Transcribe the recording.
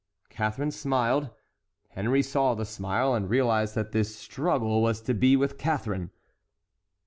Catharine smiled. Henry saw the smile, and realized that his struggle was to be with Catharine.